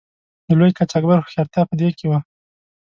د لوی قاچاقبر هوښیارتیا په دې کې وه.